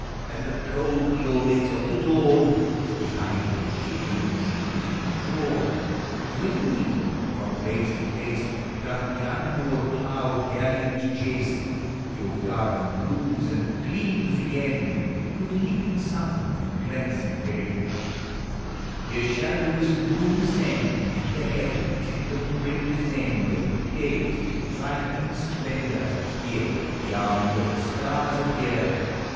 And the cold glories of the dawn Behind your shivering trees be drawn; And when the wind from place to place l>oth the unmoored cloud galleons chase, Your garden blooms and gleams again With leaping sun and glancing rain; Here shall the wizard moon ascend The heavens, in the crimson end Of day's declining splendor ; here, The army of the stars appear.